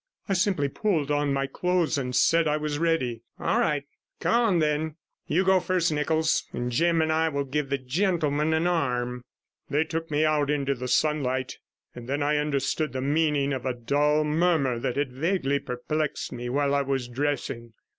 I simply pulled on my clothes and said I was ready. 'All right; come on, then. You go first, Nichols, and Jim and I will give the gentleman an arm.' They took me out into the sunlight, and then I understood the meaning of a dull murmur that had vaguely perplexed me while I was dressing.